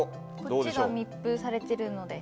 こっちが密封されてるので。